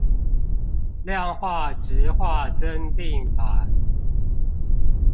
量化質化增訂版